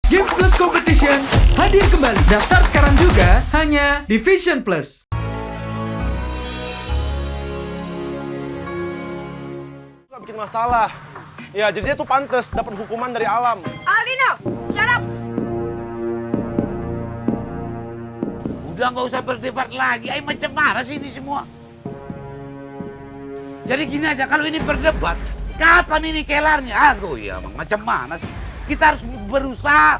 game plus competition hadir kembali daftar sekarang juga hanya di vision plus